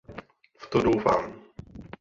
V to doufám.